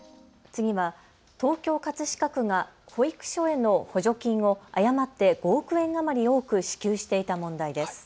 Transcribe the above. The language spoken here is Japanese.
次は東京葛飾区が保育所への補助金を誤って５億円余り多く支給していた問題です。